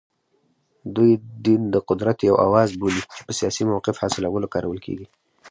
دوی دین د قدرت یو اوزار بولي چې په سیاسي موقف حاصلولو کارول کېږي